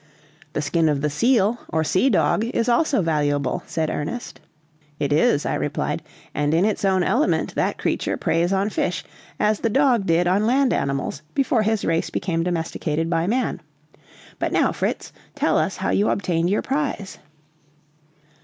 "The skin of the seal, or sea dog, is also valuable," said Ernest. "It is," I replied, "and in its own element that creature preys on fish as the dog did on land animals before his race become domesticated by man. But now, Fritz, tell us how you obtained your prize."